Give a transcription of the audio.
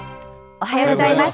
おはようございます。